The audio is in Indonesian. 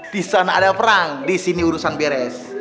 disana ada perang disini urusan beres